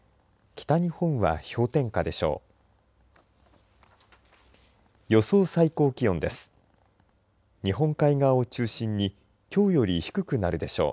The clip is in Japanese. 北日本は氷点下でしょう。